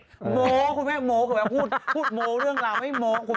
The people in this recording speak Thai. โมคุณแม่โม้คุณแม่พูดโมเรื่องราวไม่โม้คุณแม่